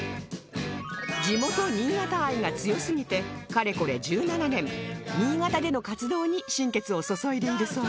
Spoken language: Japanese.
地元新潟愛が強すぎてかれこれ１７年新潟での活動に心血を注いでいるそうです